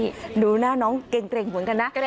จนแนวน้องเกร็งตรงเหมือนกันนะ